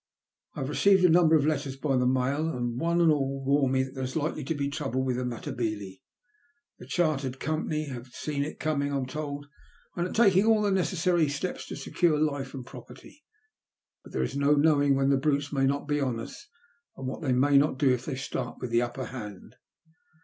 I have received a number of letters by the mail, and one and all warn me that there is likely to be trouble with the Matabele. The Chartered Company have A TERPilBLE SURPRISE. 255 seen it coming, I am told, and are taking all the neces sary steps to secure life and property, but there is no knowing when the brutes may not be on us, and what they may not do if they start with the upper hand.